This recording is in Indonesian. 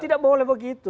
tidak boleh begitu